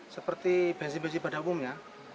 seperti bensin bensin pada umumnya